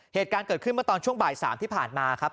เหตุการณ์เกิดขึ้นเมื่อตอนช่วงบ่าย๓ที่ผ่านมาครับ